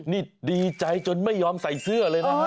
นี่ดีใจจนไม่ยอมใส่เสื้อเลยนะฮะ